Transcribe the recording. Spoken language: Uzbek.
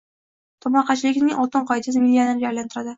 Tomorqachilikning oltin qoidasi millionerga aylantiradi